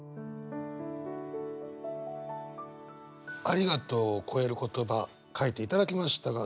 「ありがとう」を超える言葉書いていただきましたが。